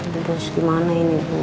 terus gimana ini bu